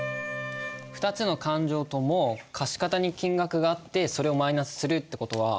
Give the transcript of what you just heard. ２つの勘定とも貸方に金額があってそれをマイナスするって事は。